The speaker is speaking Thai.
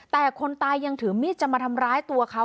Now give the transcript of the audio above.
แต่คนตายยังถือมีดจะมาทำร้ายตัวเขา